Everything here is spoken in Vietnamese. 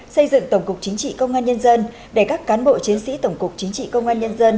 xây dựng tổng cục chính trị công an nhân dân để các cán bộ chiến sĩ tổng cục chính trị công an nhân dân